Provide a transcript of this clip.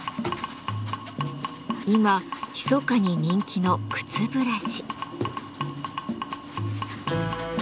今ひそかに人気の靴ブラシ。